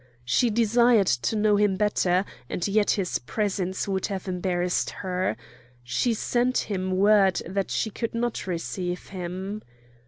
She desired to know him better, and yet his presence would have embarrassed her. She sent him word that she could not receive him.